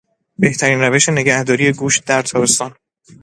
بهترین روش نگهداری گوشت در تابستان